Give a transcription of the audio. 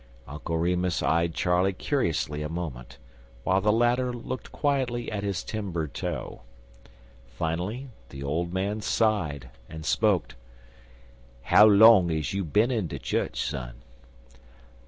Uncle Remus eyed Charley curiously a moment, while the latter looked quietly at his timber toe. Finally, the old man sighed and spoke: "How long is you bin in de chu'ch, son?"